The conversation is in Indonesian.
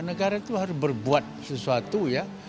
negara itu harus berbuat sesuatu ya